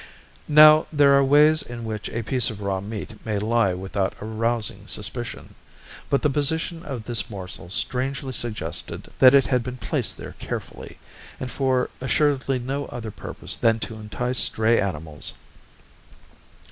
"Now there are ways in which a piece of raw meat may lie without arousing suspicion, but the position of this morsel strangely suggested that it had been placed there carefully, and for assuredly no other purpose than to entice stray animals.